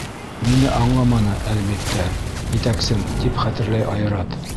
Мине аңламаны, әлбиттә, етәксем, — тип хәтерләй Айрат.